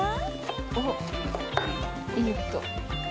おっいい音。